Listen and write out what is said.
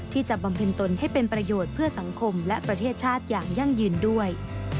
บำเพ็ญตนให้เป็นประโยชน์เพื่อสังคมและประเทศชาติอย่างยั่งยืนด้วย